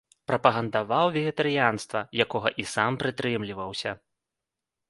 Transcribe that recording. Прапагандаваў вегетарыянства, якога і сам прытрымліваўся.